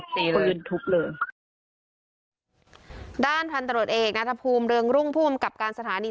เพื่อนทุกเรื่องด้านพันธุ์ตรวจเอกณ์ภูมิรุ่งภูมิกับการสถานี